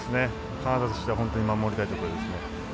カナダとしては本当に守りたいところですね。